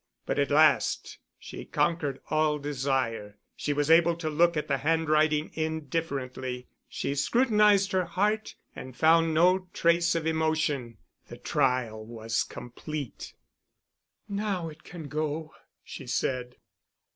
But at last she conquered all desire, she was able to look at the handwriting indifferently; she scrutinised her heart and found no trace of emotion. The trial was complete. "Now it can go," she said.